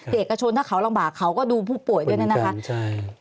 เด็กกระชนถ้าเขารังบากเขาก็ดูผู้ป่วยด้วยนะคะ